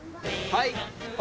はい！